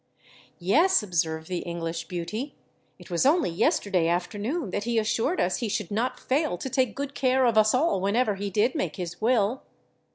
"Yes," observed the English beauty,—"it was only yesterday afternoon that he assured us he should not fail to take good care of us all whenever he did make his will."